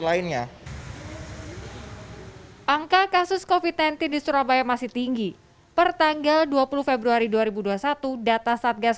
lainnya angka kasus covid sembilan belas di surabaya masih tinggi per tanggal dua puluh februari dua ribu dua puluh satu data satgas